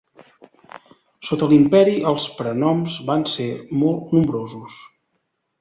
Sota l'Imperi els prenoms van ser molt nombrosos.